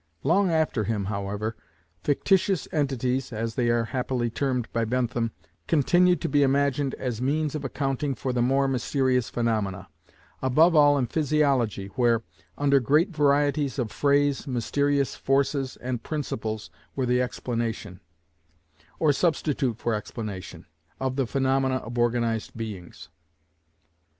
Long after him, however, fictitious entities (as they are happily termed by Bentham) continued to be imagined as means of accounting for the more mysterious phaenomena; above all in physiology, where, under great varieties of phrase, mysterious forces and principles were the explanation, or substitute for explanation, of the phaenomena of organized beings.